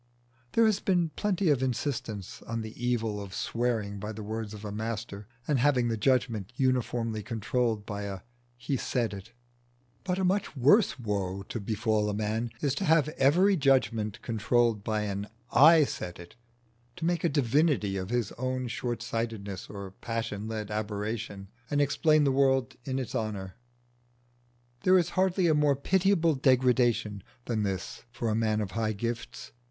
There has been plenty of insistance on the evil of swearing by the words of a master, and having the judgment uniformly controlled by a "He said it;" but a much worse woe to befall a man is to have every judgment controlled by an "I said it" to make a divinity of his own short sightedness or passion led aberration and explain the world in its honour. There is hardly a more pitiable degradation than this for a man of high gifts.